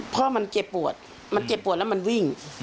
พ่อมันเจ็บปวดมันเจ็บปวดแล้วมันวิ่ง